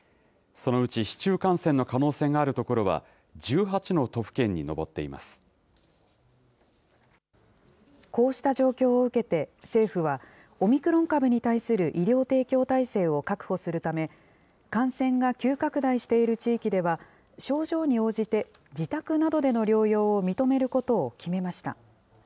そのうち市中感染の可能性のある所は、１８の都府県に上っていまこうした状況を受けて、政府は、オミクロン株に対する医療提供体制を確保するため、感染が急拡大している地域では、症状に応じて自宅などでの療養を認めることを決めました。